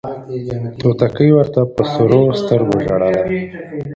توتکۍ ورته په سرو سترګو ژړله